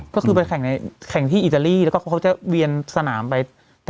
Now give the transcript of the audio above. ก็คือไปแข่งที่อิตาลีแล้วก็เขาจะเวียนสนามไป